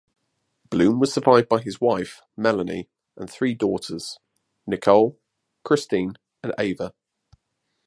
Bloom was survived by his wife, Melanie, and three daughters: Nicole, Christine, and Ava.